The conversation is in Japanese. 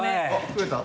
増えた？